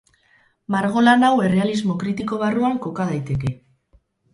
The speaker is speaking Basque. Margolan hau errealismo kritiko barruan koka daiteke.